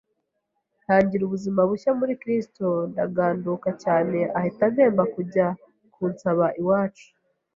ntangira ubuzima bushya muri kristo, ndaganduka cyane ahita ampemba kujya kunsaba iwacu